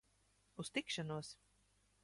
Uz tikšanos!